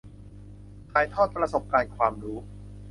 ถ่ายทอดประสบการณ์ความรู้